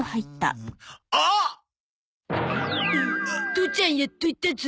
父ちゃんやっといたゾ。